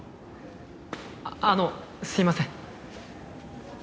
ああのすいません。